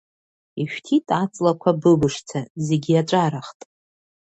Ишәҭит аҵлақәа быбышӡа, зегь иаҵәарахт.